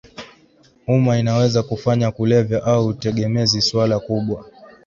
umma inaweza kufanya kulevya au utegemezi suala kubwa